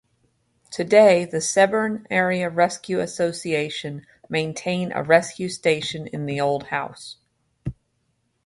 Today the Severn Area Rescue Association maintain a rescue station in the old house.